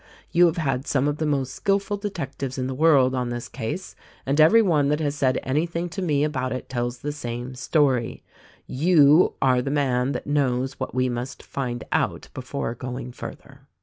You have had some of the most skilful detectives in the world on this case; and every one that has said anything to me about it tells the same story : You are the man that knows what we must find out before going further."